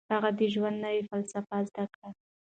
هغه د ژوند نوې فلسفه زده کړه.